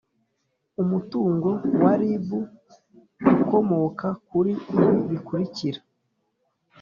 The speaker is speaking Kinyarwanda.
umutungo wa rib ukomoka kuri ibi bikurikira